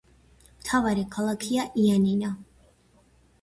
მთავარი ქალაქია იანინა.